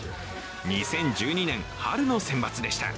２０１２年、春のセンバツでした。